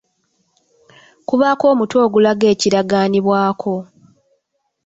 Kubaako omutwe ogulaga ekiragaanibwako.